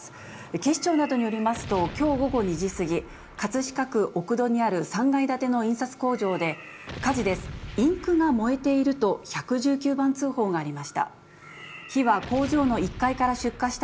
警視庁などによりますと、きょう午後２時過ぎ、葛飾区奥戸にある３階建ての印刷工場で、火事です、インクが燃えていると１１９番通報がありました。